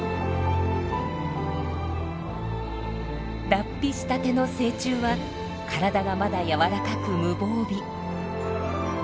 脱皮したての成虫は体がまだ柔らかく無防備。